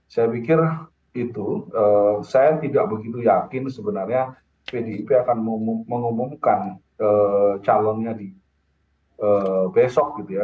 saya pikir itu saya tidak begitu yakin sebenarnya pdip akan mengumumkan calonnya di besok gitu ya